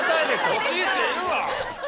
惜しいって言うわ！